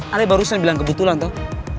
ale barusan bilang kebetulan toh